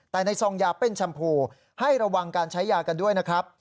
แต่ในซองยาเป็นชมพูให้ระวังการใช้ยากันด้วยนะครับ